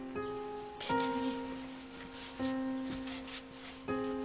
別に。